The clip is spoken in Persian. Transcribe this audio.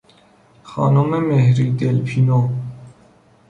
خانم مهری دلپینو